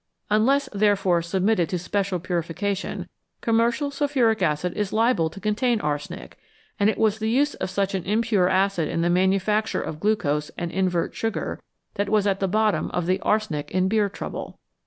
Unless, therefore, submitted to special purification, commercial sulphuric acid is liable to contain arsenic ; and it was the use of such an impure acid in the manufacture of glucose and invert sugar that was at the bottom of the " arsenic in beer" trouble.